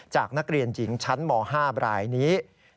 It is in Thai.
จากนักเรียนหญิงชั้นม๕บรายนี้